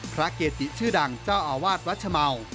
พระเกติชื่อดังเจ้าอาวาสวัชมัว